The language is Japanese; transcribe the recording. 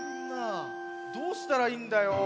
どうしたらいいんだよ。